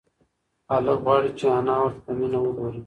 هلک غواړي چې انا ورته په مینه وگوري.